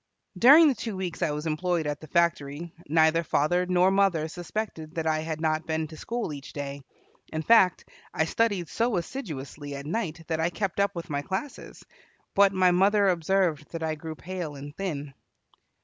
During the two weeks I was employed at the factory neither father nor mother suspected that I had not been to school each day. In fact, I studied so assiduously at night that I kept up with my classes. But my mother observed that I grew pale and thin.